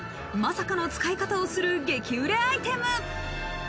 まさかの使い方をする激売れアイテム。